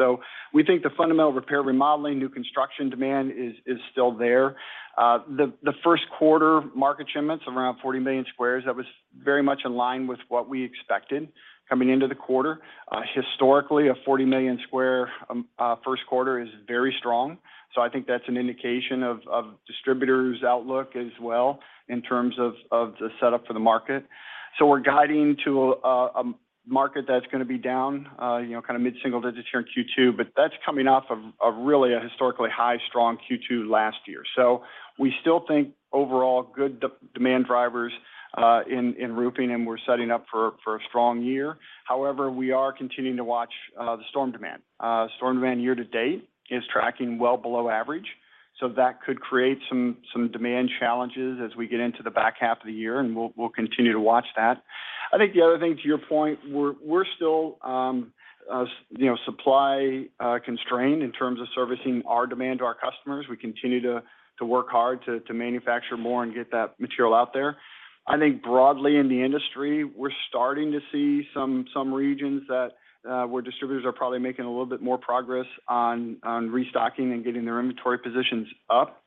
We think the fundamental repair, remodeling, new construction demand is still there. The first quarter market shipments of around 40 million squares, that was very much in line with what we expected coming into the quarter. Historically, a 40 million square first quarter is very strong, so I think that's an indication of distributors' outlook as well in terms of the setup for the market. We're guiding to a market that's gonna be down, you know, kinda mid-single digits% here in Q2, but that's coming off of really a historically high strong Q2 last year. We still think overall good demand drivers in Roofing, and we're setting up for a strong year. However, we are continuing to watch the storm demand. Storm demand year to date is tracking well below average, so that could create some demand challenges as we get into the back half of the year, and we'll continue to watch that. I think the other thing, to your point, we're still you know, supply constrained in terms of servicing our demand to our customers. We continue to work hard to manufacture more and get that material out there. I think broadly in the industry, we're starting to see some regions that where distributors are probably making a little bit more progress on restocking and getting their inventory positions up,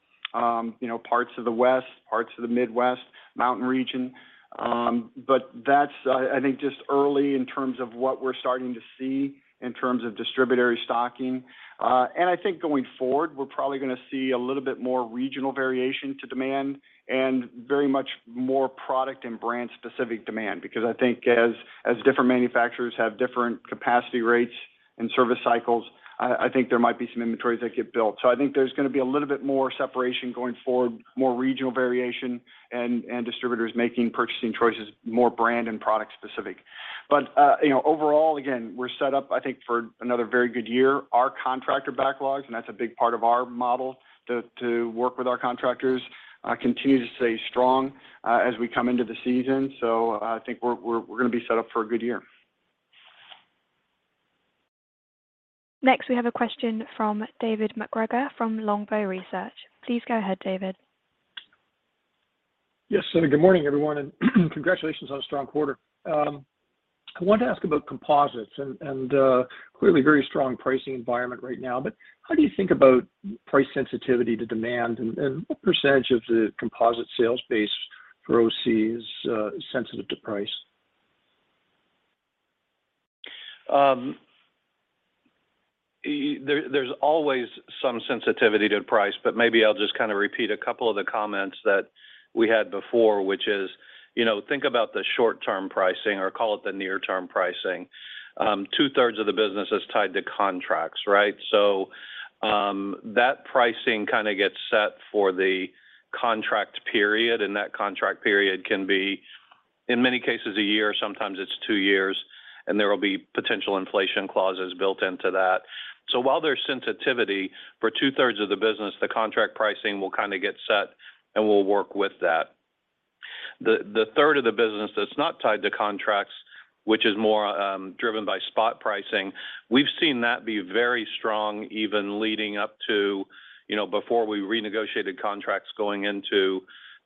you know, parts of the West, parts of the Midwest, Mountain region. That's, I think, just early in terms of what we're starting to see in terms of distributor restocking. I think going forward, we're probably gonna see a little bit more regional variation to demand and very much more product and brand-specific demand because I think as different manufacturers have different capacity rates and service cycles, I think there might be some inventories that get built. I think there's gonna be a little bit more separation going forward, more regional variation and distributors making purchasing choices more brand and product specific. You know, overall, again, we're set up, I think, for another very good year. Our contractor backlogs, and that's a big part of our model to work with our contractors continue to stay strong as we come into the season. I think we're gonna be set up for a good year. Next, we have a question from David MacGregor from Longbow Research. Please go ahead, David. Yes. Good morning, everyone, and congratulations on a strong quarter. I wanted to ask about Composites and clearly very strong pricing environment right now. How do you think about price sensitivity to demand, and what percentage of the composite sales base for OC is sensitive to price? There's always some sensitivity to price, but maybe I'll just kinda repeat a couple of the comments that we had before, which is, you know, think about the short-term pricing or call it the near-term pricing. Two-thirds of the business is tied to contracts, right? That pricing kinda gets set for the contract period, and that contract period can be, in many cases, a year, sometimes it's two years, and there will be potential inflation clauses built into that. While there's sensitivity for 2/3 of the business, the contract pricing will kinda get set, and we'll work with that. The third of the business that's not tied to contracts, which is more driven by spot pricing, we've seen that be very strong, even leading up to, you know, before we renegotiated contracts going into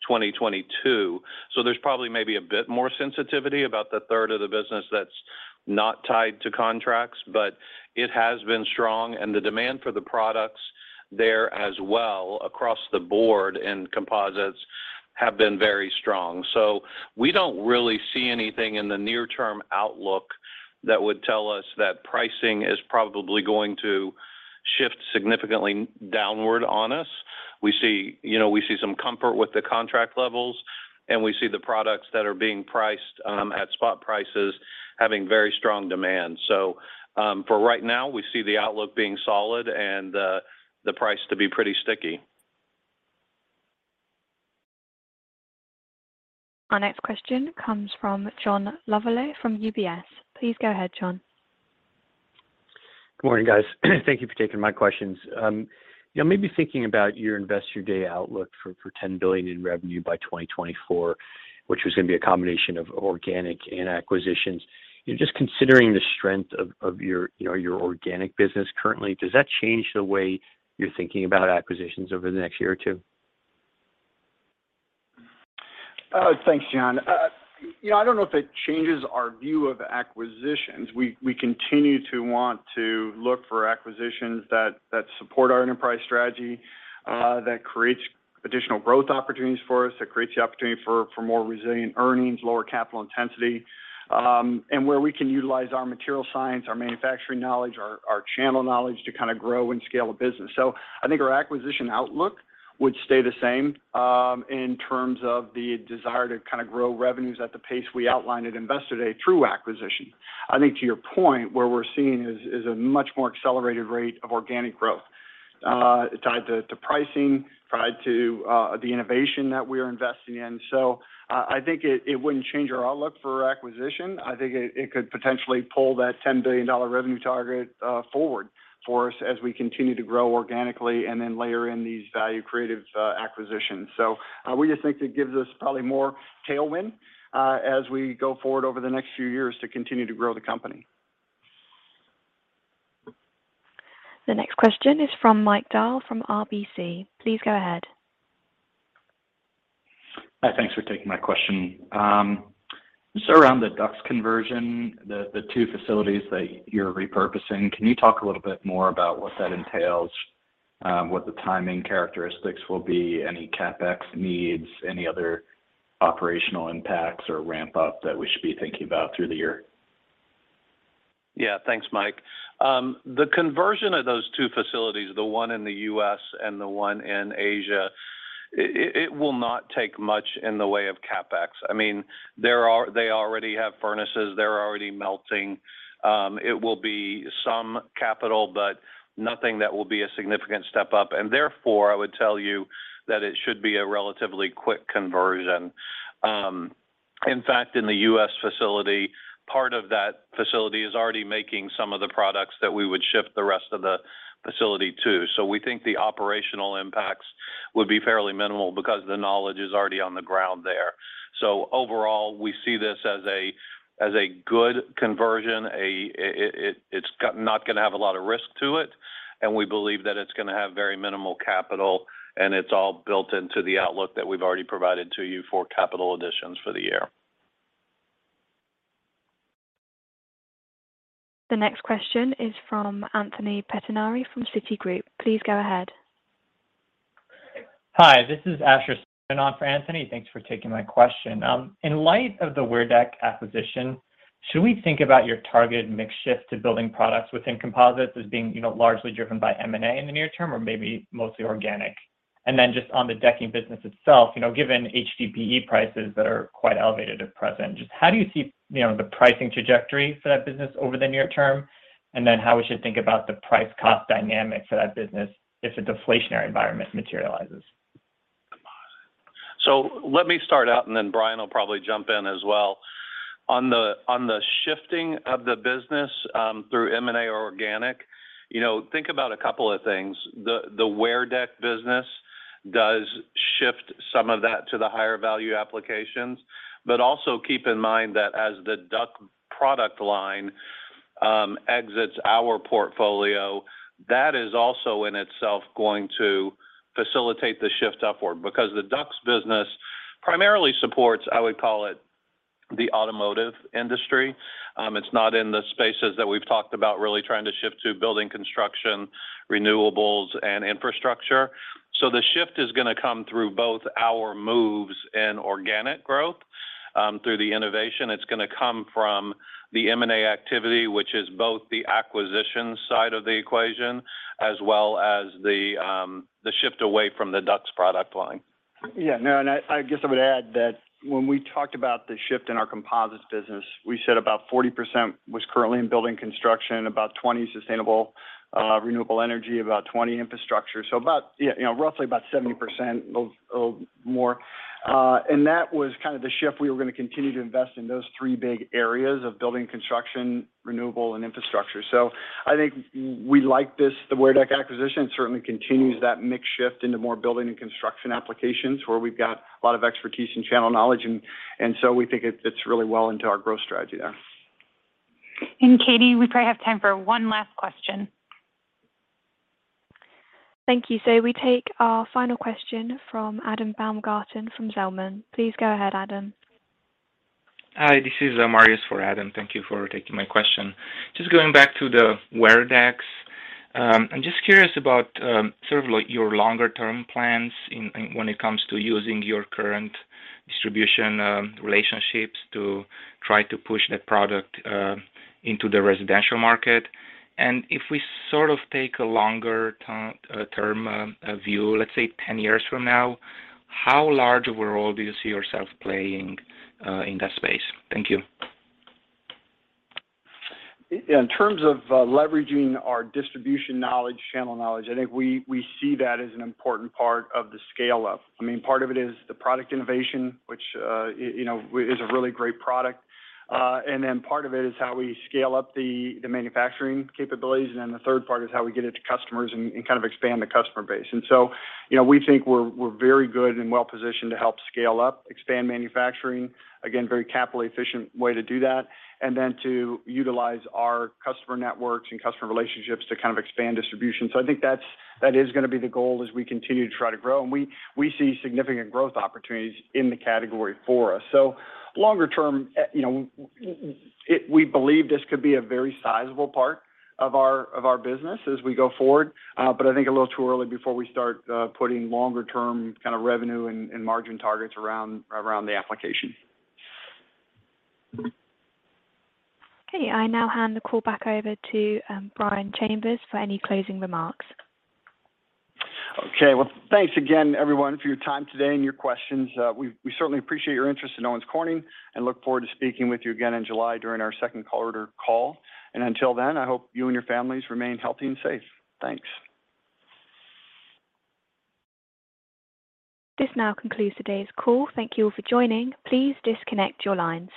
2022. There's probably maybe a bit more sensitivity about the 1/3 of the business that's not tied to contracts, but it has been strong, and the demand for the products there as well across the board in composites have been very strong. We don't really see anything in the near-term outlook that would tell us that pricing is probably going to shift significantly downward on us. We see, you know, some comfort with the contract levels, and we see the products that are being priced at spot prices having very strong demand. For right now, we see the outlook being solid and the price to be pretty sticky. Our next question comes from John Lovallo from UBS. Please go ahead, John. Good morning, guys. Thank you for taking my questions. You know, maybe thinking about your Investor Day outlook for $10 billion in revenue by 2024, which was gonna be a combination of organic and acquisitions. You know, just considering the strength of your organic business currently, does that change the way you're thinking about acquisitions over the next year or two? Thanks, John. You know, I don't know if it changes our view of acquisitions. We continue to want to look for acquisitions that support our enterprise strategy, that creates additional growth opportunities for us, that creates the opportunity for more resilient earnings, lower capital intensity, and where we can utilize our material science, our manufacturing knowledge, our channel knowledge to kinda grow and scale the business. I think our acquisition outlook would stay the same in terms of the desire to kinda grow revenues at the pace we outlined at Investor Day through acquisition. I think to your point, what we're seeing is a much more accelerated rate of organic growth tied to pricing, tied to the innovation that we're investing in. I think it wouldn't change our outlook for acquisition. I think it could potentially pull that $10 billion revenue target forward for us as we continue to grow organically and then layer in these value creative acquisitions. We just think it gives us probably more tailwind as we go forward over the next few years to continue to grow the company. The next question is from Mike Dahl from RBC. Please go ahead. Hi. Thanks for taking my question. Just around the DUCS conversion, the two facilities that you're repurposing, can you talk a little bit more about what that entails, what the timing characteristics will be, any CapEx needs, any other operational impacts or ramp up that we should be thinking about through the year? Yeah. Thanks, Mike. The conversion of those two facilities, the one in the U.S. and the one in Asia, it will not take much in the way of CapEx. I mean, they already have furnaces. They're already melting. It will be some capital, but nothing that will be a significant step up. Therefore, I would tell you that it should be a relatively quick conversion. In fact, in the U.S. facility, part of that facility is already making some of the products that we would shift the rest of the facility to. We think the operational impacts would be fairly minimal because the knowledge is already on the ground there. Overall, we see this as a good conversion. It's got not gonna have a lot of risk to it, and we believe that it's gonna have very minimal capital, and it's all built into the outlook that we've already provided to you for capital additions for the year. The next question is from Anthony Pettinari from Citigroup. Please go ahead. Hi. This is Asher standing in for Anthony. Thanks for taking my question. In light of the WearDeck acquisition, should we think about your target mix shift to building products within composites as being, you know, largely driven by M&A in the near term or maybe mostly organic? Just on the decking business itself, you know, given HDPE prices that are quite elevated at present, just how do you see, you know, the pricing trajectory for that business over the near term? How we should think about the price cost dynamic for that business if a deflationary environment materializes? Let me start out, and then Brian will probably jump in as well. On the shifting of the business, through M&A, organic, you know, think about a couple of things. The WearDeck business does shift some of that to the higher value applications. Also keep in mind that as the DUCS product line exits our portfolio, that is also in itself going to facilitate the shift upward because the DUCS business primarily supports, I would call it, the automotive industry. It's not in the spaces that we've talked about really trying to shift to building construction, renewables, and infrastructure. The shift is gonna come through both our moves and organic growth through the innovation. It's gonna come from the M&A activity, which is both the acquisition side of the equation, as well as the shift away from the DUCS product line. Yeah. No, and I guess I would add that when we talked about the shift in our Composites business, we said about 40% was currently in building construction, about 20 sustainable, renewable energy, about 20 infrastructure. About, you know, roughly about 70% or more. That was kind of the shift. We were gonna continue to invest in those three big areas of building construction, renewable, and infrastructure. I think we like this. The WearDeck acquisition certainly continues that mix shift into more building and construction applications where we've got a lot of expertise and channel knowledge, and so we think it fits really well into our growth strategy there. Katie, we probably have time for one last question. Thank you. We take our final question from Adam Baumgarten from Zelman. Please go ahead, Adam. Hi. This is Marius for Adam. Thank you for taking my question. Just going back to the WearDeck, I'm just curious about, sort of like your longer term plans in, when it comes to using your current distribution relationships to try to push that product into the residential market. If we sort of take a longer term view, let's say 10 years from now, how large of a role do you see yourself playing in that space? Thank you. In terms of leveraging our distribution knowledge, channel knowledge, I think we see that as an important part of the scale up. I mean, part of it is the product innovation, which you know is a really great product. Then part of it is how we scale up the manufacturing capabilities, and then the third part is how we get it to customers and kind of expand the customer base. You know, we think we're very good and well-positioned to help scale up, expand manufacturing, again, very capital efficient way to do that, and then to utilize our customer networks and customer relationships to kind of expand distribution. I think that is gonna be the goal as we continue to try to grow. We see significant growth opportunities in the category for us. Longer term, you know, we believe this could be a very sizable part of our business as we go forward. I think a little too early before we start putting longer term kind of revenue and margin targets around the application. Okay. I now hand the call back over to Brian Chambers for any closing remarks. Okay. Well, thanks again everyone for your time today and your questions. We certainly appreciate your interest in Owens Corning and look forward to speaking with you again in July during our second quarter call. Until then, I hope you and your families remain healthy and safe. Thanks. This now concludes today's call. Thank you all for joining. Please disconnect your lines.